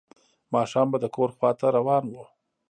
ماښام به د کور خواته روان و.